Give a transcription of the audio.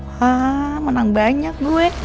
wah menang banyak bu eh